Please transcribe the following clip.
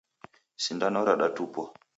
Sindano radatupwa